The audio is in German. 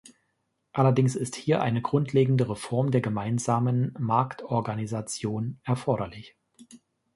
Allerdings ist hier eine grundlegende Reform der Gemeinsamen Marktorganisation erforderlich.